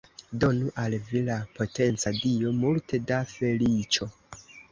Donu al vi la potenca Dio multe da feliĉo.